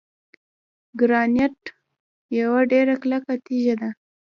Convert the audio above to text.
ګرانیټ یوه ډیره کلکه تیږه ده.